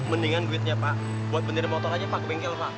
mendingan duitnya pak buat benderita motor aja pak ke bengkel